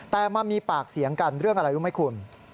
แต่มามีปากเสียงกันเรื่องอะไรรู้ไหมคุณ